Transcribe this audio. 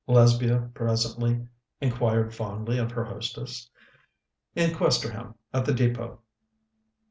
Lesbia presently inquired fondly of her hostess. "In Questerham, at the Depôt."